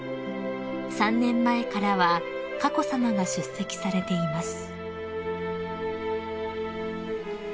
［３年前からは佳子さまが出席されています］